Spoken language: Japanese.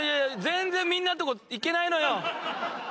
全然みんなのとこ行けないのよ！